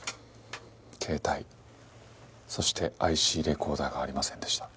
携帯そしてＩＣレコーダーがありませんでした。